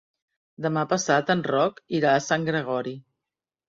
Demà passat en Roc irà a Sant Gregori.